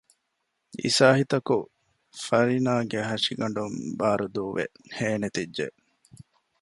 އިސާހިތަކު ފަރީނާގެ ހަށިގަނޑުން ބާރުދޫވެ ހޭނެތިއްޖެ